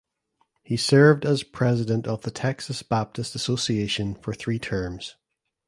He served as president of the Texas Baptist Association for three terms.